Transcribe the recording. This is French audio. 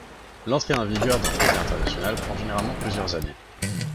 L'entrée en vigueur d'un traité international prend généralement plusieurs années.